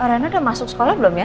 eh reina udah masuk sekolah belum ya